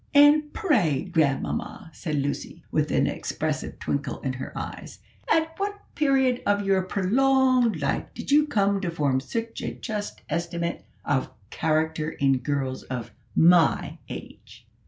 "And pray, grandmamma," said Lucy, with an expressive twinkle in her eyes, "at what period of your prolonged life did you come to form such a just estimate of character in girls of my age?"